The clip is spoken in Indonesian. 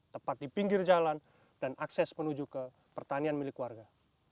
tepat di pinggir jalan dan akses menuju ke pertanian milik warga